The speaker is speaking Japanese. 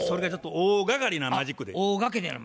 大がかりなマジックね。